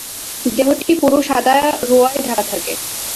দেহটি পুরু সাদা রোঁয়ায় ঢাকা থাকে।